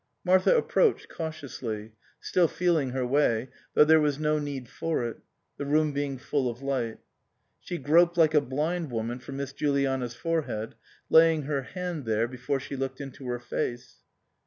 Martha approached cautiously, still feeling her way, though there was no need for it, the room being full of light. She groped like a blind woman for Miss Juliana's forehead, laying her hand there before she looked into her face.